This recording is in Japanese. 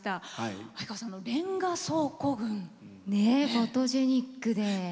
フォトジェニックで。